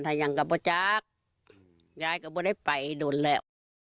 ถ่ายังกับบ่จักรย้ายกับบ่ได้ไปโดนแล้ว